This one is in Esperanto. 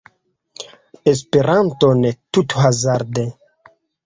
Esperanton tuthazarde